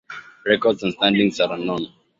Records and standings are unknown.